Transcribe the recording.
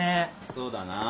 そうだな。